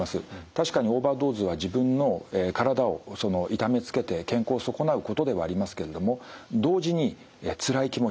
確かにオーバードーズは自分の体を痛めつけて健康を損なうことではありますけれども同時につらい気持ち